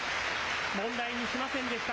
問題にしませんでした。